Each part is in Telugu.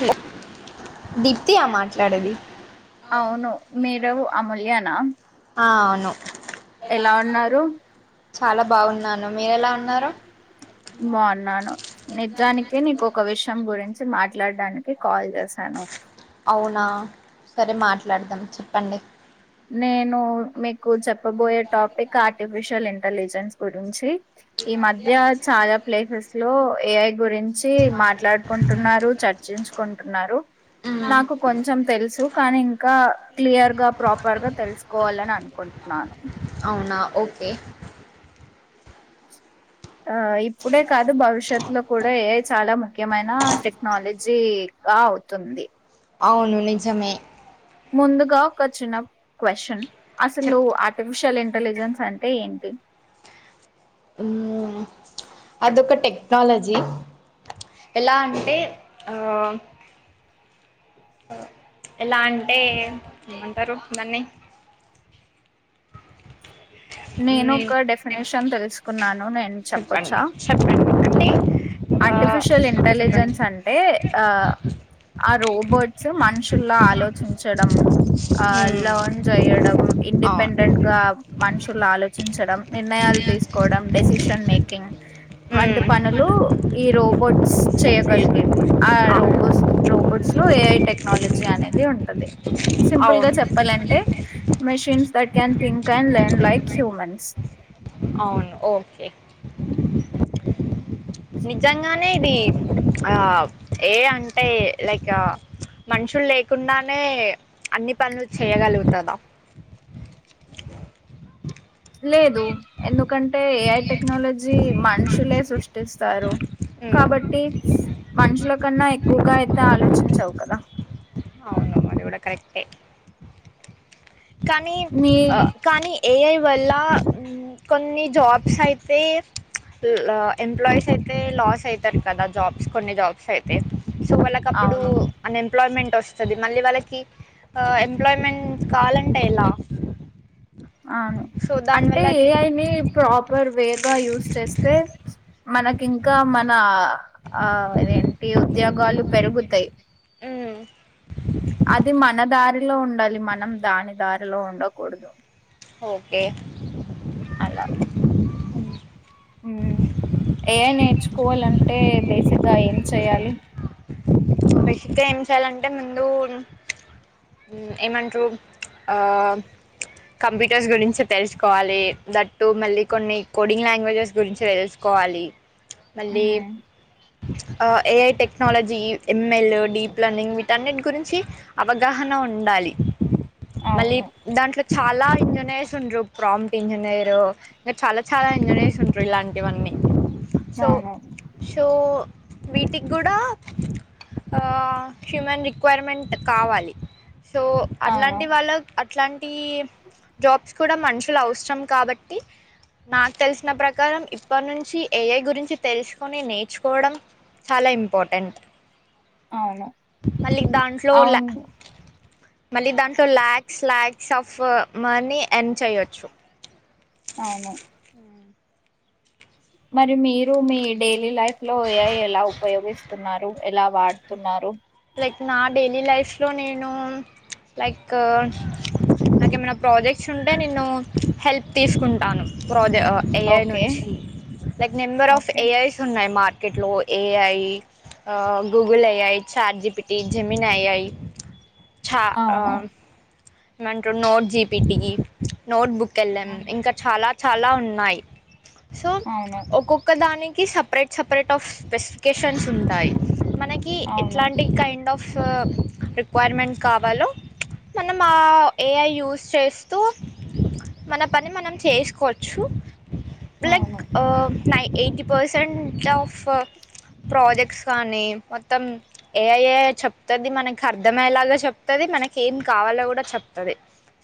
హలో అవును మీరు అమూల్యనా ఆ అవును ఎలా ఉన్నారు చాలా బాగున్నాను మీరెలా ఉన్నారు బాగున్నాను నిజానికి నీకు ఒక విషయం గురించి చి మాట్లాడడానికి కాల్ చేశాను అవునా సరే మాట్లాడదాం చెప్పండి నేను మీకు చెప్పబోయే టాపిక్ ఆర్టిఫిషియల్ ఇంటెలిజెన్స్ గురించి ఈ మధ్య చాలా ప్లేసెస్ లో ఏఐ గురించి మాట్లాడుకుంటున్నారు చ చించుకుంటున్నారు నాకు కొంచం తెలుసు కానీ ఇంకా క్లియర్ గ ప్రాపర్ గా తెలుసుకోవాలని అనుకుంటున్నాను అవునా ఓకే ఆ ఇప్పుడే కాదు భవిష్యత్ లో కూడా ఏ ఐ చాలా ముఖ్యమైన టెక్నాలజీ జీకా అవుతుంది అవును నిజమే ముందుగా ఒక చిన్న క్వశ్చన్ అసలు చెప్ ఆర్టిఫిషియల్ ఇ ఇంటలిజన్స్ అంటే ఏంటి అదొక టెక్నాలజీ ఎలా అంటే ఆ ఎలా అంటే ఏమంటారు దాన్ని నేను మ్మ్. ఒక డెఫినేషన్ తెలుసుకున్నాను నేను చెప్పండి చెప్పొచ్చా చెప్పండి అంటే ఆ ఆర్టిఫిషియల్ చెప్పండి ఇంటెలిజెన్స్ అంటే ఆ ఆ రోబోట్స్ మనుషుల్లో ఆలోచించడం ఆ మ్మ్. లెర్న్ చేయడం ఇండిపెండెంట్ అవును గా మనిష్ ఆలోచించడం నిర్ణయాలు తీసుకోవడం డెసిషన్ మేకింగ్ వంటి మ్మ్. పనులు ఈ రోబోట్స్ చేయ్యగలిగేవి ఆ రోబోట్స్ రోబోట్స్ లో ఏఐ టెక్నాలజీ అనేది ది ఉంటది సింపుల్ గా అవును చెప్పాలంటే machines that can think and learn like human [inaudible] అవును ఓకే [inaudible] నిజంగానే ఇది ఆ ఏఐ అంటే లైక్ మనుషులు లేకుండానే అన్ని పనులు చేయగలుగుతదా [inaudible] లేదు ఎందుకంటే ఏఐ టెక్నాలజీ మనుషులే సృష్టిస్తారు ఉమ్ కాబట్టి మనుషుల కన్నా ఎక్కువగా అయితే ఆలోచించవు కదా అవును అది కూడా కరెక్టే కానీ నీ ఆ కానీ ఏఐ వల్ల కొన్ని జాబ్స్ అయితే ఆ ఎంప్లాయీస్ అయితే లాస్ అయితారు కదా జాబ్స్ కొన్ని జాబ్స్ అయితే సో వాళ్ళకి అప్పుడు అవును అన్ఎంప్లాయ్మెంట్ వస్తది మళ్ళీ వాళ్ళకి ఎంప్లాయ్మెంట్ కావాలంటే ఎలా అవును సో అంటే దానివల్ల అది ఏఐ ని ప్రాపర్ వే గా యూస్ చేస్తే మనకి ఇంకా మన ఆ ఇదేంటి ఉద్యోగాలు పెరుగుతయి ఉమ్ లో ఉండకూడదు ఓకే అలా ఊ ఏఐ నేర్చుకోవాలంటే బేసిక్గా ఏం చెయాలి [unintelligible] ఏం చేయాలంటే ముందు ఏమంటరు ఆ కంప్యూటర్స్ గురించి తెలుసుకోవాలి దట్టు మళ్ళీ కొన్ని కోడింగ్ లాంగ్వేజెస్ గురించి తెలుసుకో కోవాలి మళ్లీ ఉమ్, ఆ AI technology ML deep learning వీటన్నిటి గురించి అవగాహన ఉండాలి మళ్ళీ అవును దాంట్లో చాలా ఇంజనీర్స్ ఉంటరు ప్రాప్ట్ ఇంజనీర్ ఇంకా చాలా చాలా ఇంజనీర్స్ ఉంటరు ఇలాంటివన్ని [inaudible] సో అవును సో వీటికి గూడా ఆ హ్యూమన్ రిక్వైర్మెంట్ కావాలి సో అవును అట్లాంటి వాళ్ళకి ఇట్లాంటి జాబ్స్ కూడా మనుషులు అవసరం కాబట్టి నాకు తెలిసిన ప్రకారం ఇప్పటి నుంచి ఏఐ గురించి తెలుసుకొని నేర్చుకోవడం చాలా ఇంపార్టెంట్ అవును మళ్ళీ దాంట్లో ల అవును మళ్ళీ దాంట్లో lakhs lakhs of money earn చేయొచ్చు అవును మరి మీరు మీ డైలీ లైఫ్ లో ఏఐ ఎలా ఉపయోగిస్తున్నారు ఎలా వాడుతున్నారు నా డైలీ లైఫ్ లో నేను లైక్ నాకేమైనా ప్రాజెక్ట్స్ ఉంటే నేను హెల్ప్ తీసుకుంటాను [unintelligible] ఏఐ ఓకే నుంచి like number of okay AIs ఉన్నాయి మార్క్ ర్కెట్లో ఏఐ ఆ Google AI chat GPT Gemini ఐ ఐ చా అవును ంటు note GPT notebook L M అవును ఇంకా చాలా చాలా ఉన్నాయి సో అవును ఒక్కొక్క దాని కి సపరేట్ సపరేట్ ఆఫ్ స్పెసిఫికేషన్స్ ఉంటాయి. మనకి అవును ఎట్లాంటిక్ కైండ్ ఆఫ్ కా రిక్విరెమేంట్ కావాలో న్ మా ఏఐ యూస్ చేస్తూ మన పని మనం చేసుకోవచ్చు లైక్ అవును ఆ నై ఎయిటీ పర్సంట్ ఆఫ్ ప్రాజెక్ట్స్ కానీ మొత్తం ఏఐ చెప్తది మనకి అర్ధమయ్యేలాగా చెప్తది. మనకి ఏం కావాలో కూడా చెప్తది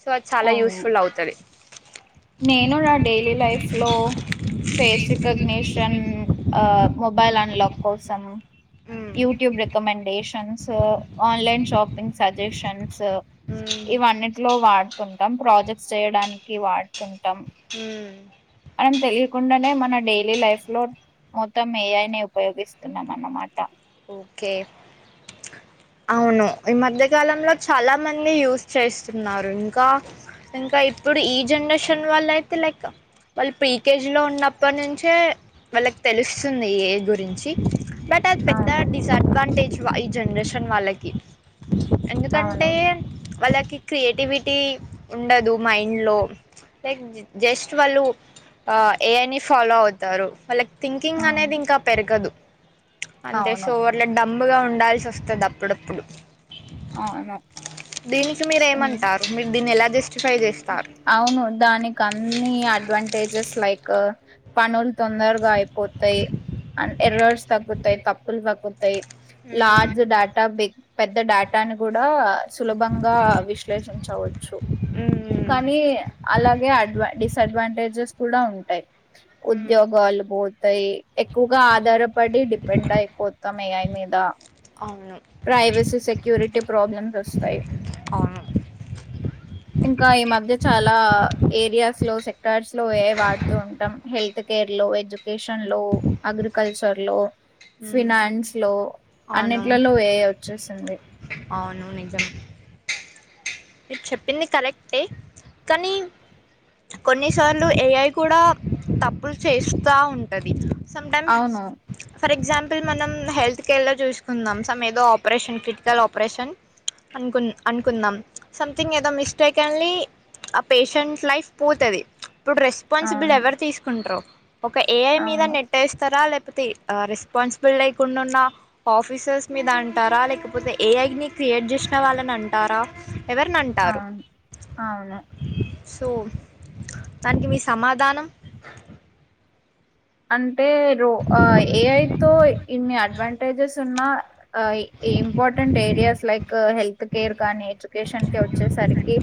సో అది చాలా అవును. యూస్ఫుల్ అవుతది. నేను నా డైలీ లైఫ్ లో ఫేస్ రికగ్నేషన్ ఆ మొబైల్ అన్లాక్ కోసం YouTube recommendation so online shopping suggestions ఇవన్నిట్లో వాడుతాం టం ప్రాజెక్ట్స్ చేయడానికి వాడుతుంటాం ఊ అన్ తెలియకుండానే మన డైలీ లైఫ్ లో మొత్తం ఏఐనే ఉపయోగిస్తున్నాం అన్నమాట ఓకే అవును ఈ మధ్యకాలంలో చాలా మంది యూస్ చేస్తున్నారు ఇంకా ఇంకా ఇప్పుడు ఈ జనరేషన్ వాళ్ల అయితే లైక్ వాళ్ళు ప్రీకేజీ లో ఉన్నప్పటి నుంచే వాళ్ళకి తెలుస్తుంది ఏ గురించి బట్ ద అవును డిసడ్వాంటేజ్ ఈ జనరేషన్ వాళ్ళకి ఎందుకంటే అవును వాళ్ళకి క్రియేటివిటీ ఉండదు మైండ్లో. లైక్ జస్ట్ వాళ్ళు ఆ ఏఐ ని ఫాలో అవుతారు వాళ్ళక్ థింకింగ్ అనేది అవును ఇంకా పెరగదు. అంతే అవును షోవర్లో డంప్గా ఉండాల్సి వస్తుంది అప్పుడప్పుడు అవును దీనికి ఉమ్, మీరేమంటారు మీరు దీన్ని ఎలా చే అవును దానికి అన్ని అడ్వంటి తేజెస్ లైక్ పనులు తొందరగాయ్ పోతాయి అండ్ ఎర్రర్స్ తగ్గుతాయి తప్పులు తగ్గు తాయి లార్జ్ డేటా బిగ్ పెద్ద డేటాని కూడా సులభంగా విశ్లేషించవచ్చు. కే అలాగే అడ్వంటీస్ అడ్వాంటేజెస్ కూడా ఉంటాయి. మ్మ్ ఉద్యోగాలు పోతాయి. ఎక్కువగా ఆధారపడి డిపెండ్ అయిపోతాం ఏఐ మీదా అవును ప్రైవసీ సెక్యూరిటీ ప్రాబ్లమ్స్ వస్తాయి. అవును ఇం ఇంకా ఈ మధ్య చాలా ఏరియాస్ లో సెక్టర్స్ లో ఏఐ వాడుతూ ఉంటాం హెల్ హత్ కేర్ లో, ఎడ్యుకేషన్ లో, అగ్రికల్చర్ లో మ్మ్ ఫినాన్స్ లో అవును అన్నిట్లలో ఏఐ వచ్చేసింది. అవును నిజం మీరు చెప్పింది కరెక్టే కానీ కొన్నిసార్లు ఏఐ కూడా తప్పులు చేస్తా ఉంటది. సమ్టైమ్స్ అవును ఫర్ ఎగ్జాంపుల్ మనం హెల్త్ కేర్లో చూసుకుందాం సమ్ ఏదో ఆపరేషన్ క్రిటికల్ ఆపరేషన్ అనుకున్ అనుకుందాం సంథింగ్ ఏదో మిస్టేక్ అల్లి ఆ పేషెంట్ లైఫ్ పోతది. ఇప్పుడు రెస్పాన్సిబుల్ అవును ఎవరు తీసుకుంటరో ఒక ఏఐ మీద అవును నెట్స్తారా లేక లేకపోతే రెస్పాన్సిబిల్ లేకుండా ఉన్న ఆఫీసర్స్ మీద అంటారా లేకపోతే ఏఐ ని క్రి ఎడ్జెసిన వాళ్ళని అంటారా ఎవరిని అంటారు. అవును అవును సో దానికి మీ సమాధానం అంటే రో ఏఐ తో ఇన్ని అడ్వాంటేజెస్ ఉన్నా important areas like health care కానీ కేషన్ కి వచ్చేసరికి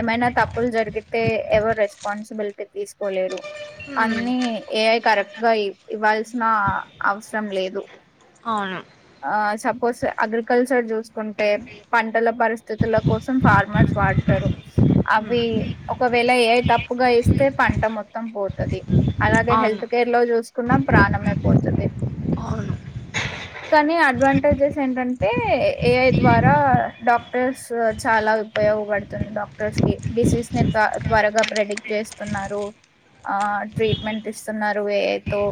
ఏమైనా తప్పులు జరిగితే ఎవరు రెస్పాన్సిబిలిటీ తీసుకోలేరు హ్మ్ అన్నిీ ఏఐ కరెక్ట్ గా ఇవ్వ ఇవ్వాల్సిన అవసరం లేదు అవును ఆ సపోస్ అగ్రికల్చర్ చూసుకుంటే ప ల పరిస్థితుల కోసం ఫార్మర్స్ వాడతారు హ్మ్ అవి ఒకవేళ ఏ తప్పుగా చేస్తే పంట మొత్తం పోతది అలాగే అవును హెల్త్ కేర్ లో చూసుకున్నా ప్రాణమైపోతుది అవును కానీ అడ్వాంటేజెస్ ఏంటంటే ఏఐ ద్వారా డాక్ క్టర్స్ చాలా ఉపయోగపడుతుంది డాక్టర్స్ కి డిసీజ త త్వరగా ప్రెడిక్ట్ చేస్తున్నారు ఆ ట్రీట్మెంట్ ఇస్తున్నారు ఏఐ తో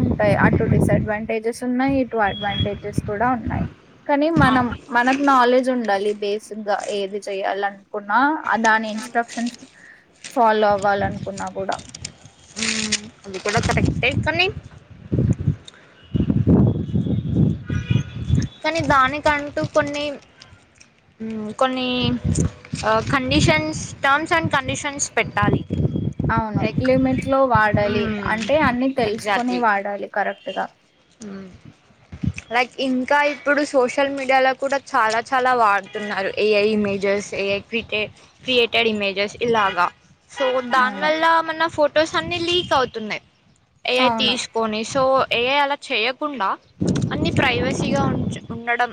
ఉంటాయి ఆ టటు డిసఅడ్వాంటేజెస్ ఉన్నాయి ఈ టూ అడ్వాంటేజెస్ కూడా ఉన్నాయి కానీ మనం అవును మనకు నాలెడ్జ్ ఉండాలి బేసిక్గా ఏది చెయాలి అనుకున్నా దాని ఇన్స్ట్రక్షన్స్ ఫాలో అవ్వాల అనుకున్నా కూడా ఏ సన్నీ కానీ దానికంటూ కొన్ని కొన్ని కండిషన్స్ టర్మ్స్ అండ్ కండిషన్స్ పెట్టాలి అవును లైక్ లిమిట్ లో వాడాలి హ్మ్ అంటే అన్ని తెలుసుకొని ఎగ్జాక్ట్లీ వాడాలి కరెక్ట్గా లైక్ ఇంగ్ ఇంకా ఇప్పుడు సోషల్ మీడియాలో కూడా చాలా చాలా వాడుతున్నారు AI images AI quite created images ఇలాగా సో దాని అవును వల్ల మన ఫొటోస్ అన్నిీ లీక్ అవుతున్నాయి ఏఐ అవును తీసుకొని సో ఏఐ అలా చేయకుండా అన్ని ప్రైవస్ మగా ఉ ఉండడం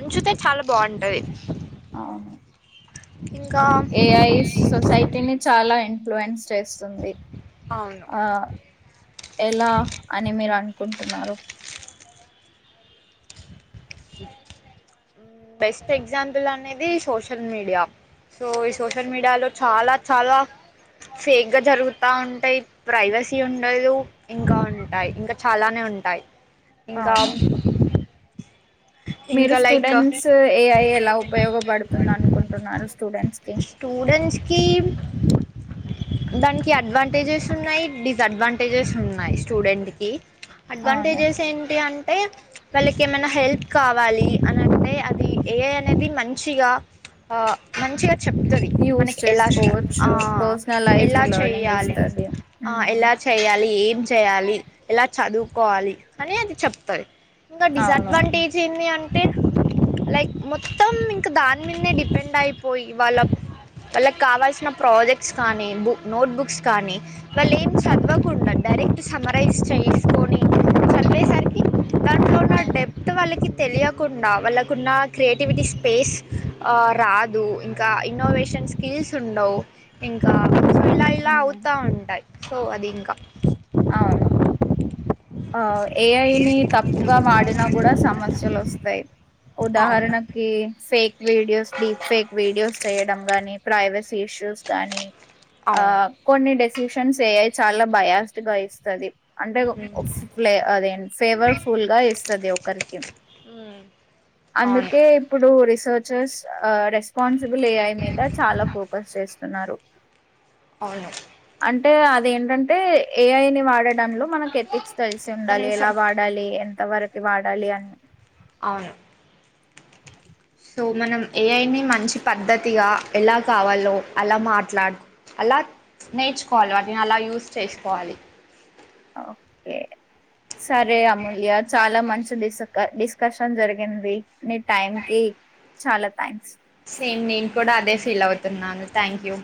ఉంచుతే చాలా బాగుంటుంది అవును ఇంకా ఏఐ సొసైటీని చాలా ఇన్ఫ్లయెన్స్ చేస్తుంది అవును ఆ ఎలా అని మీరు అంట అనుకుంటున్నారు బెస్ట్ ఎగ్జాంపుల్ అనేది సోషల్ మీడియా సో ఈ సోషల్ మీడియాలో చాలా చాలా ఫేక్ గా జరుగుతా ఉంటాయి ప్రైవసీ ఉండదు ఇంకా ఉంటాయి ఇంకా చాలానే ఉ ఉంటాయి ఇంకా అవును మీరు ఇంకా లైక్ స్టూడెంట్స్ ఏఐ ఎలా ఉపయోగపడుతుంది అనుకుంటున్నారు స్టూడెంట్స్ కి స్టూడెంట్స్కి దానికి అడ్వాంటేజెస్ ఉన్నాయి డిసడ్వాంటేజెస్ ఉన్నాయి స్టూడెంట్ కి అవును అడ్వాంటేజెస్ ఏంటి అంటే వాళ్ళకి ఏమైనా హెల్ప్ కావాలి అని అంటే అది ఏ అనేది మంచిగా ఆ మంచి చెప్తుంది మన యూస్ ఎలా ఆ చేసుకోవచ్చు ఎలా పర్సనలైజ్డ్ లెర్నింగ్ చేయాలి ఇస్తది ఉమ్ ఎలా చేయాలి ఏం చేయాలి ఇలా చదువుకోవాలి అని అది చెప్తది ఇంకా అవును డిసడ్వాంటేజ్ ఏంది అంటే అంటే లైక్ మొత్తం ఇంకా దాని మీదే డిపెండ్ అయిపోయి వాళ్ళ వాళ్ళకి కావాల్సిన ప్రాజెక్ట్స్ కానీు నోట్ బుక్స్ కానీ వాళ్ళు ఏం చదవకుండా డైరెక్ట్ సమ్మ రైజ్ చేసుకొని దాంట్లోన్న అవును డెప్త్ వాళ్ళకి తెలియకుండా వాళ్ళకున్న క్రియేటివిటీ స్పేస్ రాదుంకా ఇంకా ఇన్నోవేషన్ స్కిల్స్ ఉండవు ఇంకా ఇలా ఇలా ఉమ్ అవుతా ఉంటాయి సో అది ఇంకా అవును ఆ ఏఐని తప్పుగా వాడినా కూడా సమస్యలు వస్తాయి అవును ఉదాహరణకి fake videos deep fake videos చేయడం గానీ ప్రైవసీ ఇష్యూస్ గానీ ఆ అవును కొన్ని డెసిషన్స్ వయి చాలా బయాస్ట్ గా ఇస్తుది అ ్లే అదే ఫ్లేవర్ ఫుల్ గా ఇస్తుది ఒకరికి మ్మ్ అవును అందుకే ఇప్పుడు రిసోట్ చర్స్ రెస్పాన్సిబుల్ ఏఐ మీద చాలా ఫోకస్ చేస్తున్నారు అవును అంటే అదేంటంటే ఏఐ ని వాడడంలో క్ తెలిసి ఒక్క ఉండాలి ఎలా నిమిషం వాడాలి ఎంత వరకు వాడాలి అని అవును సో మనం ఏ అఐనా మంచి పద్ధతిగా ఎలా కావాలో అలా మాట్లాడు అలా నేర్చుకోవాలి వాటిని అలా యూస్ చేసుకోవాలి ఓకే సరే అమూల్య చాలా మంచి స్స్ అకాష్టం జరిగింది నీ టైం కి చాలా థ్యాంక్స్ సేమ్ నేను కూడా అదే ఫీల్ అవుతున్నాను థ్యాంక్ యూ